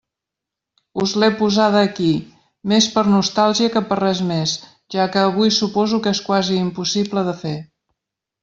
Us l'he posada aquí, més per nostàlgia que per res més, ja que avui suposo que és quasi impossible de fer.